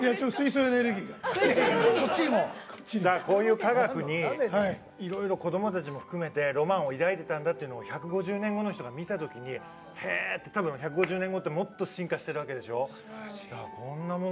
科学にいろいろ子どもたちも含めてロマンを抱いたというのを１５０年後の人たちが見たときに、へえって多分１５０年後ってもっと進化してるんでしょ。